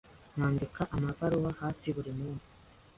Nandika amabaruwa hafi buri munsi.